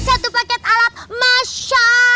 satu paket alat masya